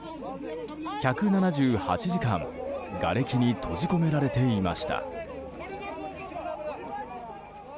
１７８時間、がれきに閉じ込められていました。